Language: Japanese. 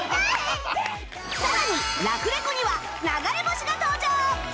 さらにラフレコには流れ星が登場！